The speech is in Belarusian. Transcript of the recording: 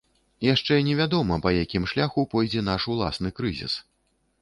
Яшчэ невядома, па якім шляху пойдзе наш уласны крызіс.